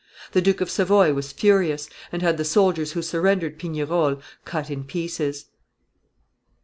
The Duke of Savoy was furious, and had the soldiers who surrendered Pignerol cut in pieces.